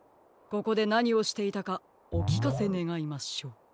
ここでなにをしていたかおきかせねがいましょう。